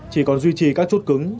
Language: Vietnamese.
chỉ còn duy trì các chốt cứng